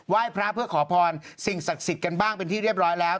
ยพระเพื่อขอพรสิ่งศักดิ์สิทธิ์กันบ้างเป็นที่เรียบร้อยแล้ว